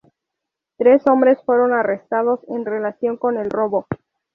Tres hombres fueron arrestados en relación con el robo.